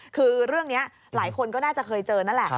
คือเรื่องนี้หลายคนก็น่าจะเคยเจอนั่นแหละ